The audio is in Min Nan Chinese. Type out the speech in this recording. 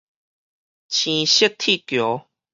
青色鐵橋